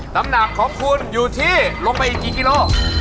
น้ำหนักของคุณอยู่ที่ลงไปอีกกี่กิโล